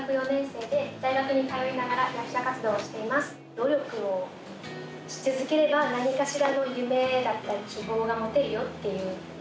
努力をし続ければ何かしらの夢だったり希望が持てるよっていう。